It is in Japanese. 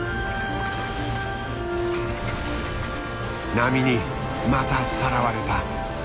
波にまたさらわれた。